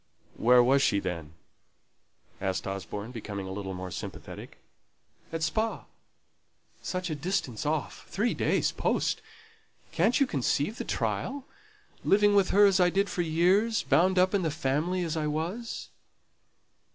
"Where was she then?" asked Osborne, becoming a little more sympathetic. "At Spa. Such a distance off! Three days' post! Can't you conceive the trial? Living with her as I did for years; bound up in the family as I was."